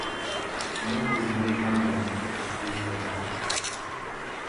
«Men tizimga ishonmayman» — prezident